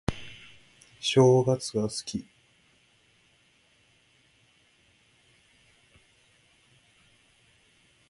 正月が好き